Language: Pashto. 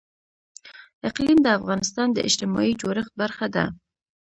اقلیم د افغانستان د اجتماعي جوړښت برخه ده.